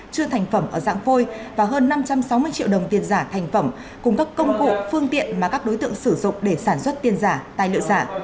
chưa thành phẩm ở dạng phôi và hơn năm trăm sáu mươi triệu đồng tiền giả thành phẩm cùng các công cụ phương tiện mà các đối tượng sử dụng để sản xuất tiền giả tài liệu giả